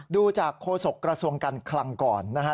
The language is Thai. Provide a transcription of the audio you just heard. ดูจากโฆษกระทรวงการคลังก่อนนะฮะ